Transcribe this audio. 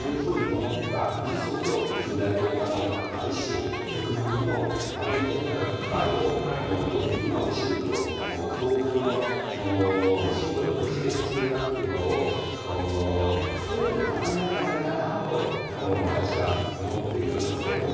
美術ほど近代国家の一種国民のアイデンティファイを国民の一種統合のシンボルとして必要だっていうのを西洋で学んだんじゃないかなと私は思っているんですけれども。